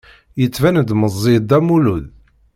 Yettban-d meẓẓi Dda Lmulud.